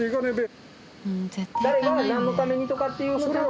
誰がなんのためにとかっていう。